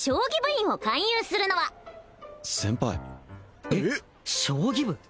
員を勧誘するのは先輩えっ将棋部！？